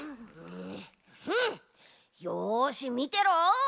よしみてろ！